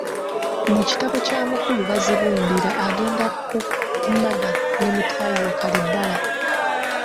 Mu kitabo kya mukulu Bazibumbira agenda ku mbaga ne mutaayi we Kalibbala.